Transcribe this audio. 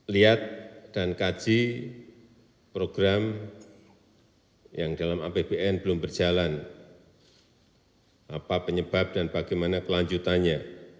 lihat dan kaji program yang dalam apbn belum berjalan apa penyebab dan bagaimana kelanjutannya